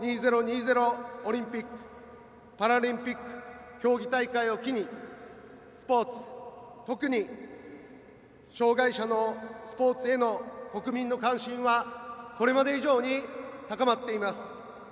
オリンピック・パラリンピック競技大会を機にスポーツ特に障害者のスポーツへの国民の関心はこれまで以上に高まっています。